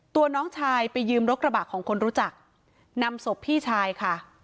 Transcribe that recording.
น้องชายไปยืมรถกระบะของคนรู้จักนำศพพี่ชายค่ะ